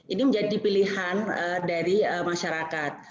ini menjadi pilihan dari masyarakat